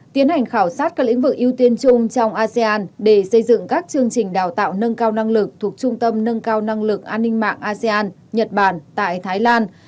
tiến hành khảo sát các lĩnh vực ưu tiên chung trong asean để xây dựng các chương trình đào tạo nâng cao năng lực thuộc trung tâm nâng cao năng lực an ninh mạng asean nhật bản tại thái lan